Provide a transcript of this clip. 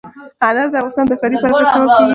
انار د افغانستان د ښاري پراختیا سبب کېږي.